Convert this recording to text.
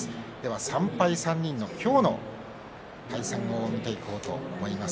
３敗３人の今日の対戦を見ていこうと思います。